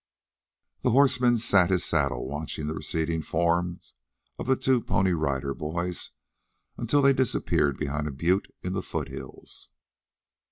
The horseman sat his saddle watching the receding forms of the two Pony Rider Boys until they disappeared behind a butte in the foothills.